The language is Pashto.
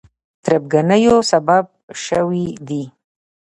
تربګنیو سبب شوي دي.